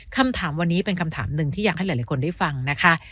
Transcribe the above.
คำถามวันนี้เป็นคำถามหนึ่งที่อยากให้หลายคนได้ฟังนะคะ